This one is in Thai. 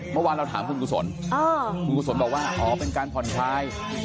เมื่อวานเราถามคุณกุศลคุณกุศลบอกว่าอ๋อเป็นการผ่อนคลาย